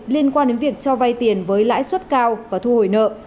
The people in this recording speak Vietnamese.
liên quan đến việc cho vay tiền với lãi suất cao và thu hồi nợ